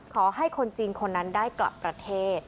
ขอให้คนจริงคนนั้นได้กลับประเทศ